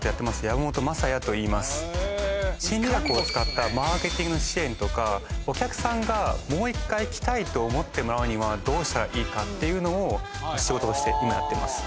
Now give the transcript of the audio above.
山本マサヤといいます心理学を使ったマーケティング支援とかお客さんがもう一回来たいと思ってもらうにはどうしたらいいかっていうのを仕事として今やってます